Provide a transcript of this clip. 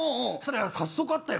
早速あったよ